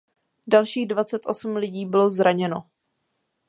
Dalších dvacet osm lidí bylo zraněno.